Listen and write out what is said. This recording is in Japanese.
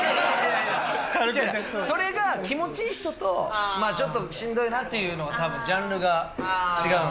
それが気持ちいい人とちょっとしんどいなっていうのは多分ジャンルが違うのかな。